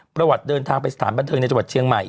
ประวัติเดินทางไปสถานบางทึงในเชียงใหม่